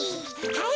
はい。